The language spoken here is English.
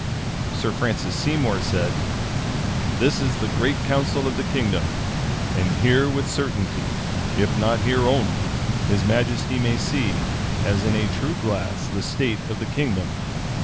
Sir Francis Seymour said, "This is the great council of the kingdom; and here with certainty, if not here only, his majesty may see, as in a true glass, the state of the kingdom.